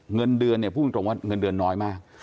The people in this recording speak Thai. เงินเดือนเนี่ยพูดตรงว่าเงินเดือนน้อยมาก